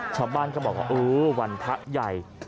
ชาวบ้านก็บอกว่าเออวันพระใหญ่